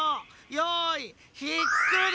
よいひっくり！